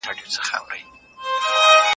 ایا په پوهنتون کې د ادبي څېړنو امکانات شته؟